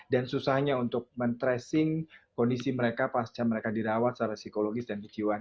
dan susahnya untuk men tracing kondisi mereka pasca mereka dirawat secara psikologis dan kejiwaan